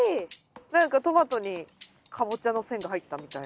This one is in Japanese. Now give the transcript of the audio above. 何かトマトにカボチャの線が入ったみたいな。